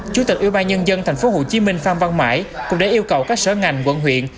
chủ tịch yên bài nhân dân tp hcm pham văn mãi cũng đã yêu cầu các sở ngành quận huyện